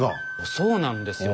そうなんですよ。